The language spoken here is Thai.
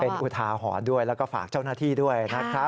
จะเป็นอุทาหอด้วยแล้วก็ฝากเจ้าหน้าที่ด้วย